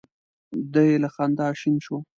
دی له خندا شین شو.